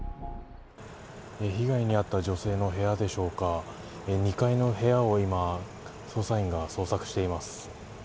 被害に遭った女性の部屋でしょうか、２階の部屋を今、捜査員が捜索しています。